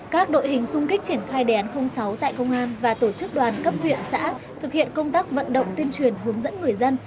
các đội hình xung kích triển khai đề án sáu tại công an và tổ chức đoàn cấp viện xã thực hiện công tác vận động tuyên truyền hướng dẫn người dân